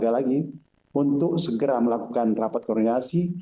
sekali lagi untuk segera melakukan rapat koordinasi